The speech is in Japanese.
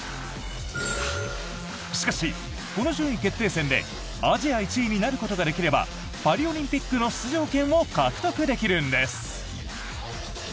しかし、この順位決定戦でアジア１位になることができればパリオリンピックの出場権を獲得できるんです！